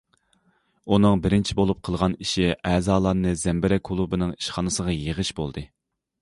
ئۇنىڭ بىرىنچى بولۇپ قىلغان ئىشى ئەزالارنى زەمبىرەك كۇلۇبىنىڭ ئىشخانىسىغا يىغىش بولدى.